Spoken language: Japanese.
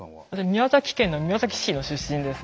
宮崎県の宮崎市の出身です。